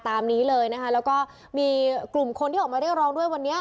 ตามนี้เลยนะคะแล้วก็มีกลุ่มคนที่ออกมาเรียกร้องด้วยวันนี้